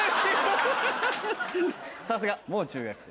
さすがもう中学生。